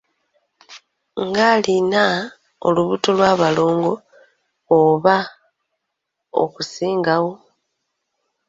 Ng'alina olubuto olw'abalongo oba okusingawo